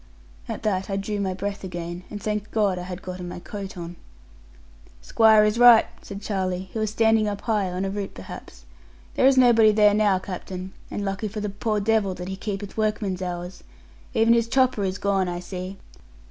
At that I drew my breath again, and thanked God I had gotten my coat on. 'Squire is right,' said Charlie, who was standing up high (on a root perhaps), 'there is nobody there now, captain; and lucky for the poor devil that he keepeth workman's hours. Even his chopper is gone, I see.'